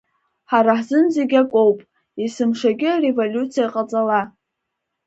Ҳара ҳзын зегьакоуп, есымшагьы ареволиуциа ҟаҵала…